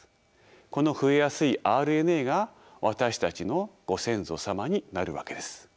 この増えやすいＲＮＡが私たちのご先祖様になるわけです。